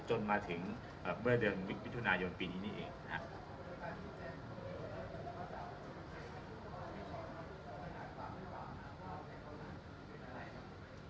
จนมาถึงเมื่อเดือนมิถุนายนปีนี้นี่เองนะครับ